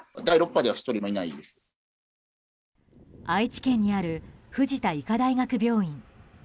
愛知県にある藤田医科大学病院。